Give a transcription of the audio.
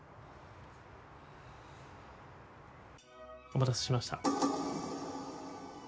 お待たせしました。